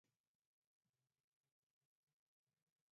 لا تتحدثوا أبداً إلى أغراب.